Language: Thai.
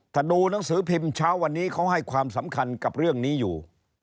ถ้าดูหนังสือพิมพ์เช้าวันนี้เขาให้ความสำคัญกับเรื่องนี้อยู่